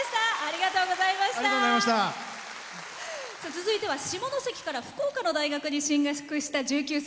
続いては下関から福岡の大学に進学した１９歳。